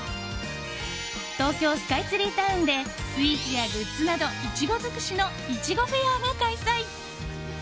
東京スカイツリータウンでスイーツやグッズなどイチゴ尽くしのいちごフェアが開催。